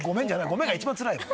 「ごめん」が一番つらいわ。